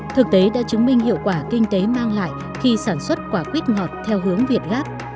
thực tế đã chứng minh hiệu quả kinh tế mang lại khi sản xuất quả quýt ngọt theo hướng việt gáp